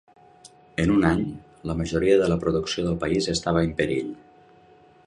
En un any, la majoria de la producció del país estava en perill.